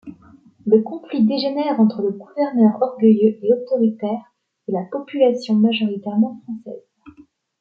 Le conflit dégénère entre le gouverneur orgueilleux et autoritaire et la population majoritairement française.